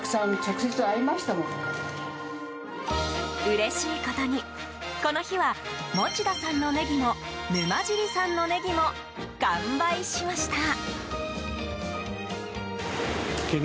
うれしいことに、この日は持田さんのネギも沼尻さんのネギも完売しました。